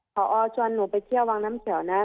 พอชวนหนูไปเที่ยววังน้ำเขียวนะ